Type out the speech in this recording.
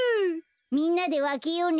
みんなでわけようね。